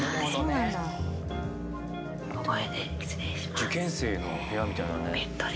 受験生の部屋みたいなね。